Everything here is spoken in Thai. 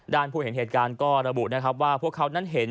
ด้านผู้เห็นเหตุการณ์ก็ระบุว่าพวกเขานั้นเห็น